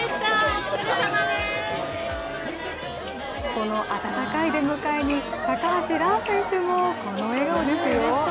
この温かい出迎えに、高橋藍選手もこの笑顔ですよ。